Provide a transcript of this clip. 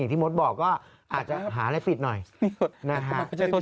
ยังที่มสบอกก็อาจจะหารายปิดหน่อยฮือนะฮะ